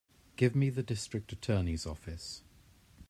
Give me the District Attorney's office.